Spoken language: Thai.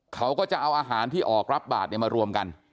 เขาก็จะเอาอาหารที่ออกรับบาทมารวมกัน